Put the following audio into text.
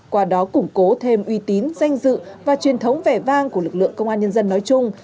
qua đó củng cố thêm uy tín danh dự và truyền thống vẻ vang của lực lượng công an nhân dân nói chung